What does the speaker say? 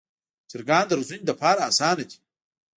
چرګان د روزنې لپاره اسانه دي.